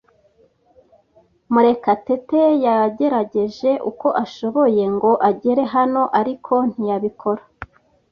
Murekatete yagerageje uko ashoboye ngo agere hano, ariko ntiyabikora.